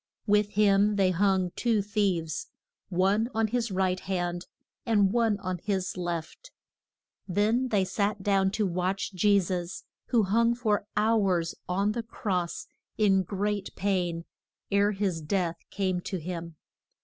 With him they hung two thieves, one on his right hand, and one on his left. [Illustration: CHRIST CAR RY ING HIS CROSS.] Then they sat down to watch Je sus, who hung for hours on the cross in great pain, ere his death came to him.